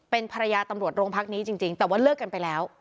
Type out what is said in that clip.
เป็นภรรยาตำรวจโรงพักนี้จริงแต่ว่าเลิกกันไปแล้ว